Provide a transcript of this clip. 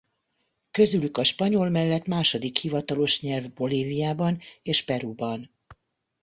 Közülük a spanyol mellett második hivatalos nyelv Bolíviában és Peruban.